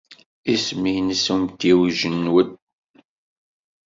Isem-nnes umtiweg-nwen?